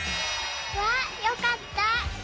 わあよかった。